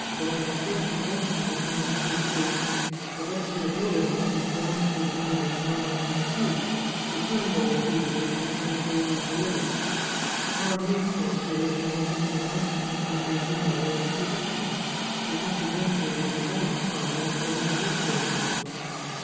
By an express convention between the two states the duchy 200 The Chartreuse of Parma of Modena, which bounds the dominion of Parma on the south, returned all fugitives who passed over its borders. The Parmese frontier running up into the mountain country near Genoa was too distant; his misadventure would be known at Parma before he could reach those mountains.